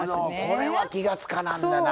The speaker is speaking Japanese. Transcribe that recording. これは気が付かなんだなぁ。